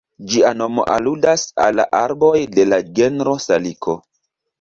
Ĝia nomo aludas al la arboj de la genro Saliko.